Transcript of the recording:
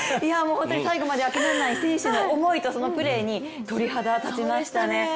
ホントに最後まで諦めない選手の気持ちとそのプレーに鳥肌が立ちましたね。